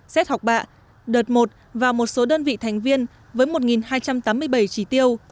xét học bạ đợt một và một số đơn vị thành viên với một hai trăm tám mươi bảy chỉ tiêu